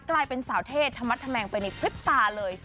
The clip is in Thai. กลายเป็นสาวเทศถมัดแถมงไปในคลิปตาเลย